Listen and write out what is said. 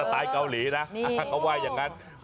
หลายคนบอกว่ามันง่าย